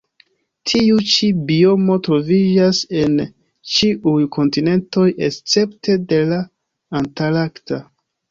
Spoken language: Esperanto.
Tiu ĉi biomo troviĝas en ĉiuj kontinentoj escepte de la antarkta.